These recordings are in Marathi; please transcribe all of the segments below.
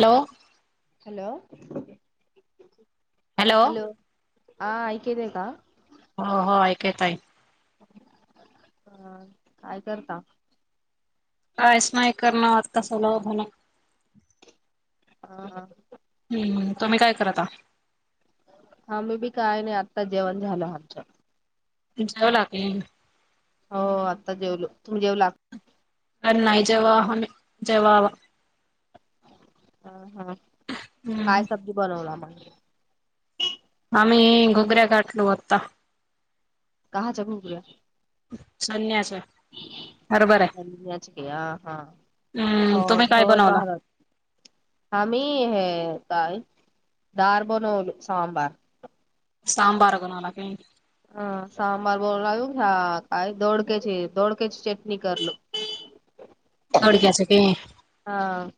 हॅलो हॅलो हॅलो आ ऐकेत हे का? हो हो ऐकत आहे. हा काय करता? कायच नाही करणं आत का सलावर झालंय. हा हा. हम्म तुम्ही काय कराता? हा मी बी काय नाही आत्ता जेवण झालं आमचा. जाव लागेन हो आता जेवलो तुम्ही जेवला अरे नाही जवा हाम्ही जवा वा हा हा हम्म काय सब्जी बनवलं म? आम्ही घोगऱ्या गाठलो आत्ता. काहाच्या घुगऱ्या संन्यास वय हम्म तुम्ही काय बनवला [unintelligible] आम्ही हे काय दार बनवलो सांबार सांबार बनाना कयी हा सांबार बोलला [unintelligible] काय दोडक्याची दोडक्याची चटणी करलो. [inaudible] दोडक्याचे ते हा ह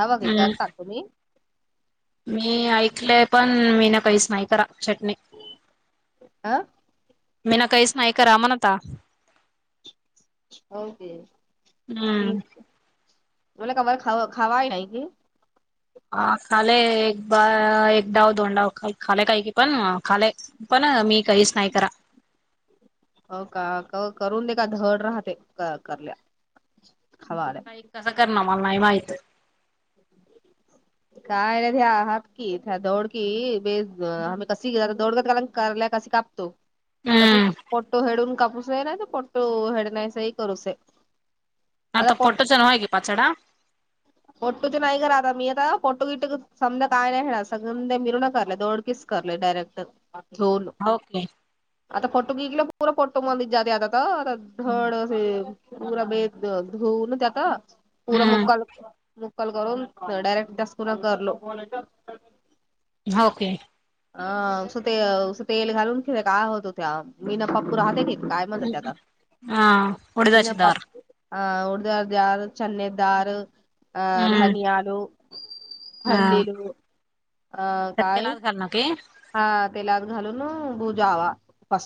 हवा घेतात ताक तुम्ही मी ऐकले पण मी ना पैस नाही करा चटणी अ. मी ना काहीच नाही करा मनता. हो ते हम्म मला का ख खावा नाही की. हा खाले एक बा एक डाव दोन डाव खा खाले काही की पण खाले. पण मी काहीच नाही करा हो का करून दे का धड राहते करल्या हवा. काही कसं करणं मला नाही माहित. [unintelligible] कारल्या कशी कापतो तसे हम्म पटतो हेडून कापूसला नाही त पतो. त हेड नाहीस हे करूसे. [unintelligible] फोटो ते नाही करा मी आता [unintelligible] हा औके. आता फोटो बिकला पूर फोटो मंदत जाते आता तर थडे [unintelligible] परा भेद धुऊ ना त्याता. पुरा हम्म मुक्काल मुक्काल करून डायरेक्ट दसकून करलो. हा ओके. अ ते तेल घालून घेते काय होतो त्या मीना पप्पू राहते की काय म्हणतात ते आता हां उठत मीना अशिल तर. हम्म [unintelligible] हा हल्लेल अ काय कारण ते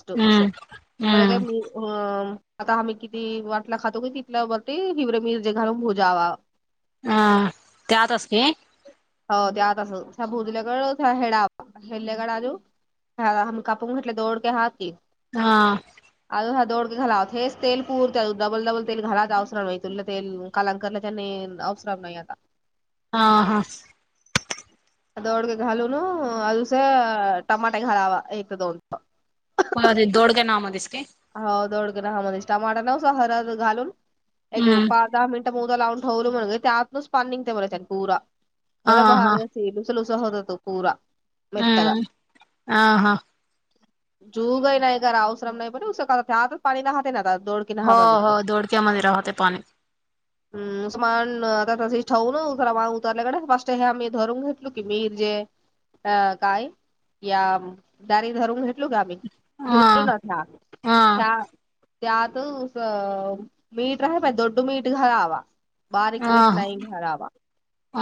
हम्म हम्म [unintelligible] [inaudible] अ त्यात असते. हो ते आता असं साबू भोजल्याकडे हेडाव. [unintelligible] हा. अज हा दोडके घालावत हेच तेल प पुरत डबल डबल तेल घालात अवसरा मा तुलं तेल कालाकारला त्यांनी अवसराव नाही आता. हा हा. [unintelligible] [unintelligible] [unintelligible] हळद घालून एक हम्म पाच दहा मिनट. लावून ठेवल म्हण त्यातच पनिंग पुरा हा मला हा भारी आहे. हम्म हा [unintelligible] हा [unintelligible] हो हो दोडक्यामध्ये राहते पाणी. [inaudible] हम मान त ठेवून उतार माग उतरल्या कडे फ हे आम्ही धरून घेतलो की म मिरजे. अ काय या दारी धरून हेटल गामी भु हा न आ त्या त्यात ऊस मीठ राहि मा दोडड मीठ घालावा. बारीक मीठ नाही घरावा.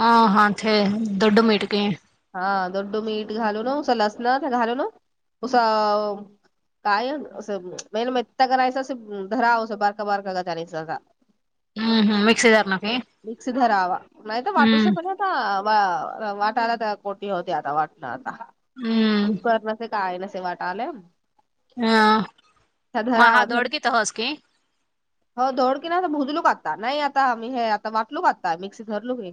आ हा इथे दुड मिटके. [unintelligible] [unintelligible] [inaudible] हम् हम मिक्सी जार नकी. मिक्स धरावा नाहीत वाटूस पण आता वाटायला तर कोटी होते आता वाटू आता उकर नसे काय नसे वाट आले. मग हा दोड धरावाधर. की तहस की हो धोड की नाहीता भुजलू का आता नाही आता आम्ही हे आता वाटलू का आता मिक्स धरलू की.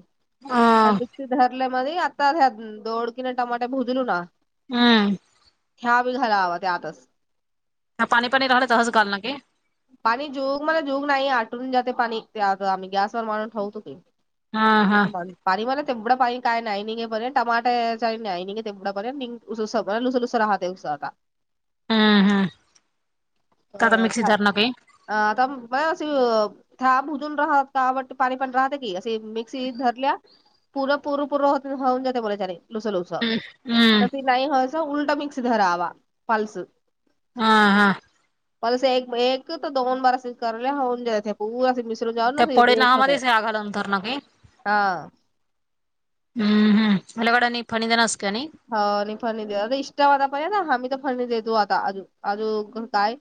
ओ ह मिक्स धरले मध आता्या दोडकीिने टमाटे भुजलू ना. हम्म. ह्या बी घाला हवा त्या आतच. न पाणी पाणी रहर जहस कालना की पाणी जोग मला जोग नाही आटून जाते पाणी आम्ही गॅसवर मारून ठेवतो की. हा हा पाणी मला तेवढं पाणी काय नाही नाही का पर्य टमाटे नाही तेवढा बर लुस लुस राहते उहता. हम्म हम्म आता मिक्सी अम धरणं की अता म अशी थाब भुजून राहात का आवटते पाणी पण राहत की असे मिक्सी धरल्या. पुरं पूर पूर होऊन जाते बोलायच्या लुस लुस हम्म हम्म त नाही होस उलट मिक्स धरावा पाल्स. हा. हा म अस एक तर दोन बार अस करले होऊन जा परा मि त्या पढ ना ह मध्येच आघालं नंतर ना की. हा हम् हम हलागड न पणीदा नासकाणी. ह आणि फर्णी आता इष्टाता पण ना आम्ही तर फर्णी देतो आता अज आजू काय.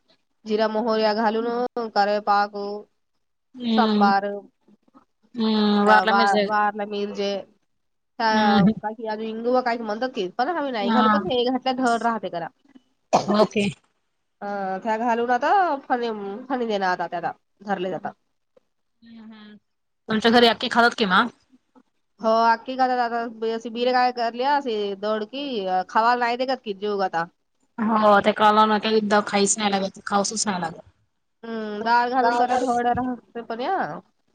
जिरा मोहर्या घालून कार पाक हम्म सांबार. हम्म आ वारला बा मिरज बारला मिरजे हम्म हम्म [unintelligible] अज हिंगू व काही म्हणत क पण आ्ही नाही हा घालू का हे घातल्या घर राहते करा. ओके अ त्या घालून आता फणी फणी देणं आता त्या रले जात. हम् हम् तुमच्या घरी आखातात किमा [inaudible] हो आखकी काता द अशी बिरे काय करली दौड कि खवा नाही दे कात कि जेऊ का आता. हो ते कला न एकदा खाईच नाही लागत खाऊसच नाही लागत. हम्म दळ घालून करायड राहते पण या.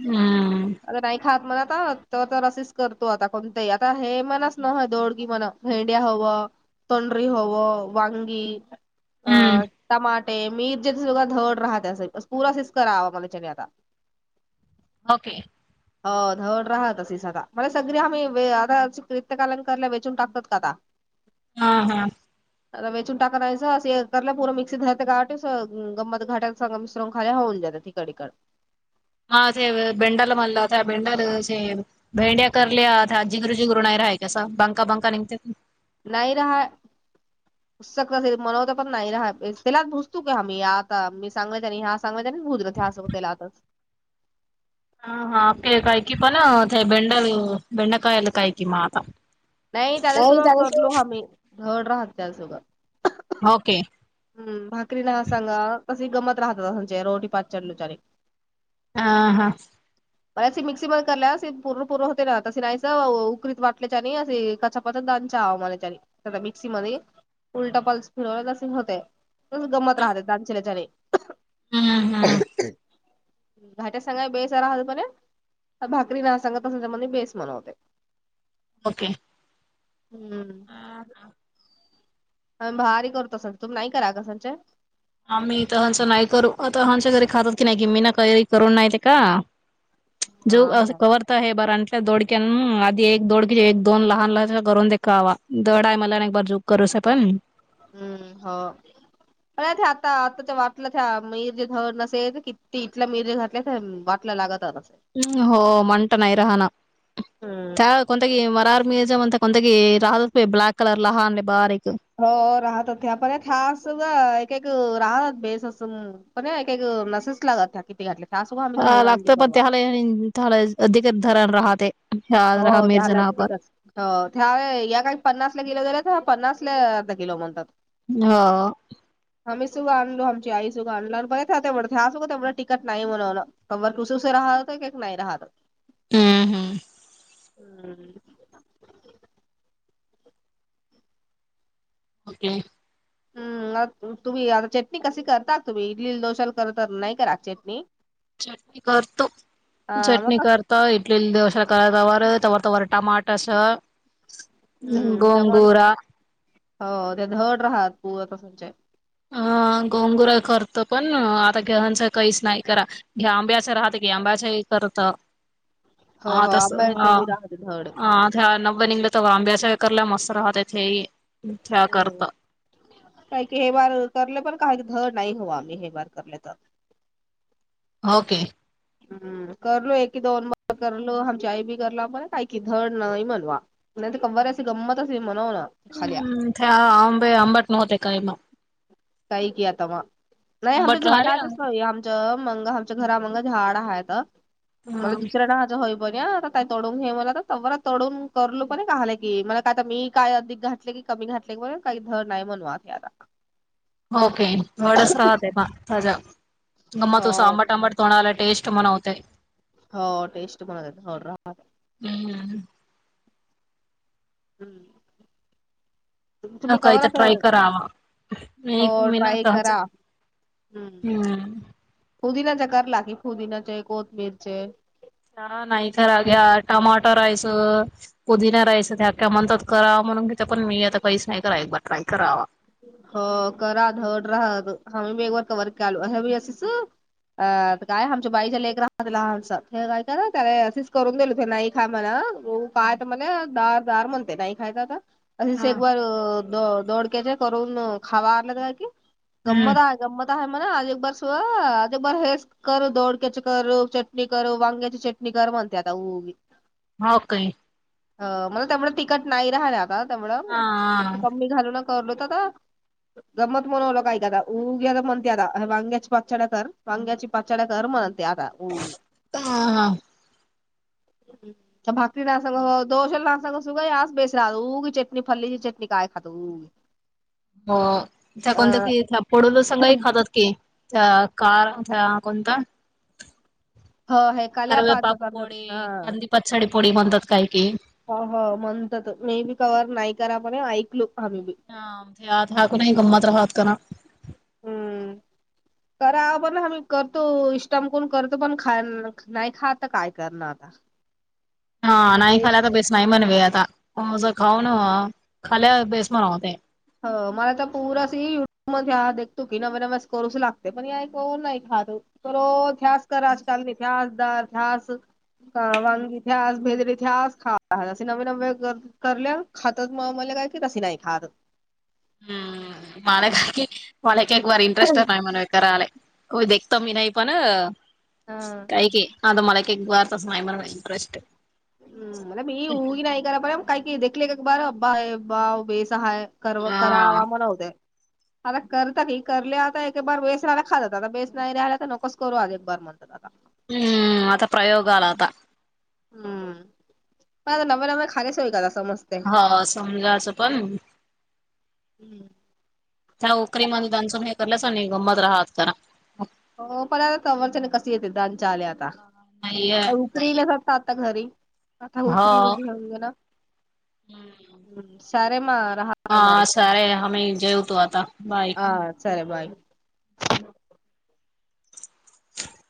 हम्म नाही खात म्हणा आ तर तर असच करतो आता कोणतही आता हे म्हणच न दोडगी म्हण. भेंड्या हवं तोंडरी हवं वांगी. हम्म अं टमाटे मिीर ज्या सा धड राहत अस पुरा शिच करावा मलाने आता. ओके [inaudible] हो धवड राहत अस आता मला सगळी आम्ही आता कृत्यकालान कला वेचून टाकतात का आता. [inaudible] हा हा. आरे वेचून टाकायचं असंय परं मिक्सी झा गाटस गंमत घाट संग मिश्रून खाली होऊन जात तिकड इकडे. हा तेे बेंडाल मणलाता बेंडल से भेंड्या करल्या आजीगरुजी गुण नाही राहाय कससा बांका बांका निघते. नाही रहा सक मनवत पण नाही रा त्यालाच भुसतो क ह मी आता मी सांगय तरी. सार्वजनिक भूत असं त्यालाताच. हा हा आप काय ककी पण ते बेंल बेंडकायला कायकी म आता. नाही त्याच्यासोबत करलो आम्ही धड राहत त्यासोबत. हो के. हम् भाकरी ना सांगा तसे गमत राहतात रोटी पाचच्या लुचारी. हा हा. [inaudible] कार्याची मिक्सी मध्ये करल्या प पुरपूर होते ना तसे नाहीच उकरीत वाटल्याच्या आणि अशी काचप. वतण दानच्या हवामाने मिक्सी मध्ये उलटपल्स फिरवलेसे होते. तस गंमत राहत दांशल्याच्याने. हम्म हम्म [unintelligible] ह भाकरी ना सांगत त असं त्याच्यामध्ये बेस म्हनवते. ओके. हम्म. आम्ही भारी करत असाल तुम्ही नाही करा कसलचे. [unintelligible] जो असं हम्म कव्हर [unintelligible] करूस आपण. हम्म हो. [unintelligible] लागतच असे. हम् हो म्हणता नाही राहना हम्म त्या [unintelligible] [unintelligible] पण एक एक मसेज लागत ह किती घातलं. हो त्याला [unintelligible] अधिकच हो त्या या काही पन्नास ला किल झाल्या तर पन्नास ला आर्ध किलो म्हणतात. हा. [unintelligible] [unintelligible] हम्म हम्म. हम्म. ओके. हम्म ला तू तुम्ही आता चटणी कशी करता तुम्ही इडली दोशल कर तर नाही करा चटणी. चटणी करतो हा मग चटणी कस- करत [unintelligible] हम्म त्यामुळे गोनगोरा. [unintelligible] अ गोंगुरा करतो पण आता घेहांच काहीच नाही करा. घ्या आंब्याचं राहत की आंब्याच हे करत. हो हा हो तस आ आंब्याच्या बी राहते धड हा. हम्म [unintelligible] [unintelligible] ओके. [unintelligible] [unintelligible] हम्म त्या अंबे अंबट नवते कायमा. [unintelligible] [unintelligible] बग्या आंबट राहिले ना आता तडून हे मला आ त तडून करलो पणलंय की म काय मी काय अधिक घातले की. कमी घातले कण काही धर नाही म्हणवा ते आता. हो [unintelligible] कोणाला टेस्ट मनवतय हो टेस्ट म्हणत [unintelligible] हम्म, हम्म. हम्म. न काही तर ट्राय करावा हो नाही म ट्राय नाता हज करा हम्म. पुदिन्याच्या [unintelligible] पुदिनाचे, कोतमीरचे. हा नाही खरग्या टमाटो रईस कुधि नाही राहायचं ते अख्या म्हणतात करा म्हणून घेते पण मी आता काहीच नाही करा एक बार ट्राय करा [unintelligible] अ काय आमच्या बाईच्या लेक राहत लहानस हे काय क त्याला असच करून देल ते नाही खा मला [unintelligible] तो काय तर म्हणे दार दार म्हणते नाही खायच आता आणि एक बार द-दोडक्याच्या करून खावा आल्या हम्म गमतात गंमत आहे म्हणा आज एक बार स् आज एक बार हेस करू दधोडक्याची कर चटणी करू वांग्याची चटणी कर म्हणते आता हऊग हो काई. अ म्हणं त्यामुळं तिकट नाही राहिलं आता त्यामुळं हा कमी घालून करलो तर का? गंमत म्हनवलं काय का आता उग्याता म्हणते आता वांग्याची पाचड्या कर वांग्याची पाचचाड्या कर म्हणते आता हा हम्म. [unintelligible] आ त्या अ कोणत की ला पडू लसांगाही खातात ते की त्या कार त्या कोणता? ह हे कल्यापाच कवेपाक करतात पोळी हा कंदी पचडी पोळी म्हणतात काही की [unintelligible] हा यात हाकुनही गमात रहात कना हम्म करावं पण हम्ही करतो इष्टामकण करतो पण खा नाही खातात तर काय करणार आता [inaudible] हा नाही खाला आता वेस्ट बेस नाही म्हणवे आता. अस खाऊन खाली बेस म्हणवते. [unintelligible] [unintelligible] [unintelligible] करल्या खातात मग मला काय की तस नाही खात. हम्म मला बाकी एक एक बार इंटरेस्ट नाही म्हणे करायला [unintelligible] कशातच हा नाही मला आता इंटरेस्ट. [unintelligible] कर्व हा करावा म्हनव्हते. आता करतात की करले आता एक एक बार बेस रायला खातात. आता बेस नाही राहिला, तर नकोच करू आज एक बार म्हण. [inaudible] हम्म, आता प्रयोग आला आता. हम्म [unintelligible] अ समजायचं पण हो त्या ओकरीमध्ये सून हे करलंच नाही गंमत राहात तररा [unintelligible] [unintelligible] आता नाहीये नाही घरी आता हो उकरी पण जाऊन घेइना हम्म. सारे मा राहा हा सारे आम्ही जेवतो आता बाय. चले बाय. [inaudible]